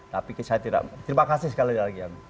tapi saya tidak terima kasih sekali lagi